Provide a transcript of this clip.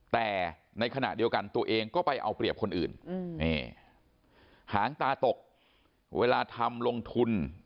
แต่ในขณะเดียวกันตัวเองก็ไปเอาเปรียบคนอื่นหางตาตกเวลาทำลงทุน